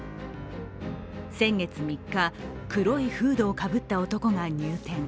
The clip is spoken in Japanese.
先月３日、黒いフードをかぶった男が入店。